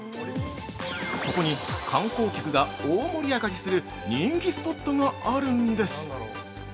ここに、観光客が大盛り上がりする人気スポットがあるんです。